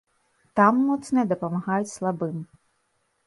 Там моцныя дапамагаюць слабым.